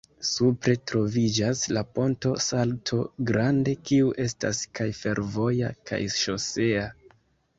Supre troviĝas la Ponto Salto Grande, kiu estas kaj fervoja kaj ŝosea.